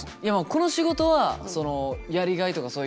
この仕事はそのやりがいとかそういうね